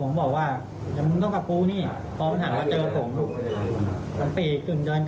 ล้านเมียดกว่าอีกนิดเดียว๑ตัวผมครับดูกล้องได้กล้องจอด